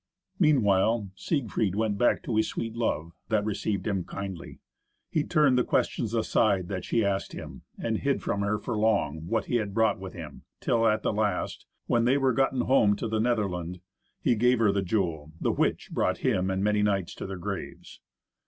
Meanwhile Siegfried went back to his sweet love, that received him kindly. He turned the questions aside that she asked him, and hid from her for long what he had brought with him, till at the last, when they were gotten home to the Netherland, he gave her the jewel; the which brought him and many knights to their graves.